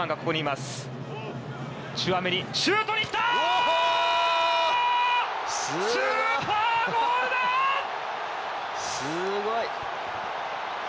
すごい。